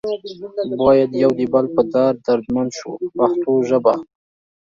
باید یو د بل په درد دردمند شو په پښتو ژبه.